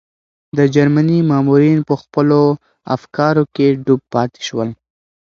د جرمني مامورین په خپلو افکارو کې ډوب پاتې شول.